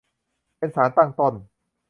เป็นสารตั้งต้น